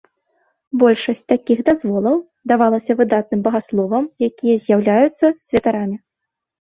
Большасць такіх дазволаў давалася выдатным багасловам, якія з'яўляюцца святарамі.